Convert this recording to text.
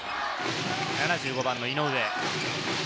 ７５番の井上。